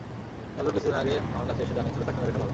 নজরুল কিছুদিন আগে আমার কাছে এসে জানিয়েছিল, তাকে মেরে ফেলা হবে।